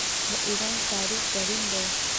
د ایران تاریخ زرین دی.